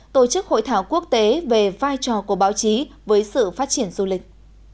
tổ chức hội thảo quốc tế về vai trò của báo chí với sự phát triển du lịch